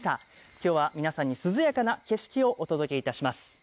今日は皆さんに涼やかな景色をお届けいたします。